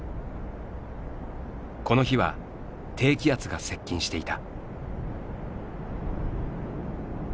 この日は低気圧が接近していた。